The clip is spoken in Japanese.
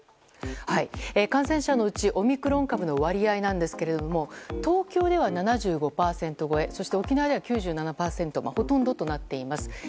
感染者のうちオミクロン株の割合ですが東京では７５％超えそして沖縄では９７％でほとんどとなっています。